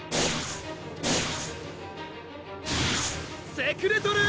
セクレトルー！